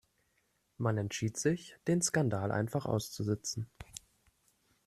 Man entschied sich, den Skandal einfach auszusitzen.